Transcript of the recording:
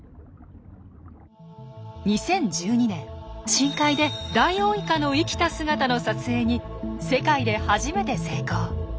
２０１２年深海でダイオウイカの生きた姿の撮影に世界で初めて成功。